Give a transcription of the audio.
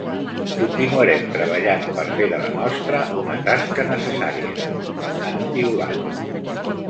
Continuarem treballant per fer de la nostra, una tasca necessària, han piulat.